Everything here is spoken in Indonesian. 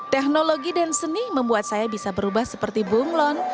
teknologi dan seni membuat saya bisa berubah seperti bunglon